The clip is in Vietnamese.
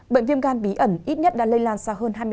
bệnh viêm gan bí ẩn ít nhất đã lây lan xa hơn hai triệu người